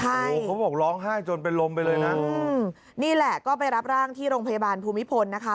โอ้โหเขาบอกร้องไห้จนเป็นลมไปเลยนะอืมนี่แหละก็ไปรับร่างที่โรงพยาบาลภูมิพลนะคะ